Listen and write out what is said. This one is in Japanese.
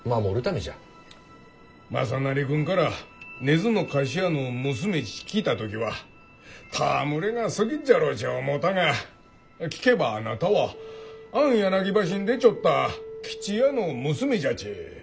雅修君から根津の菓子屋の娘ち聞いた時は戯れがすぎっじゃろうち思ったが聞けばあなたはあん柳橋に出ちょった吉也の娘じゃち。